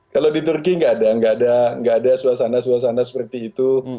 kalau di turki nggak ada suasana suasana seperti itu